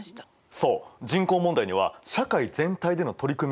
そう人口問題には社会全体での取り組みが必要。